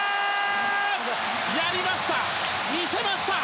やりました、見せました！